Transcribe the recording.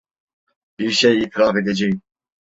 Bir şey itiraf edeceğim.